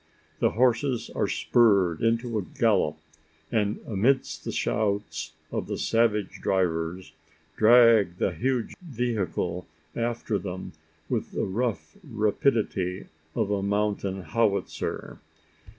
The horses are spurred into a gallop; and amidst the shouts of the savage drivers, drag the huge vehicle after them with the rough rapidity of a mountain howitzer.